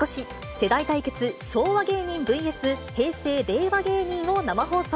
世代対決、昭和芸人ｖｓ平成・令和芸人を生放送。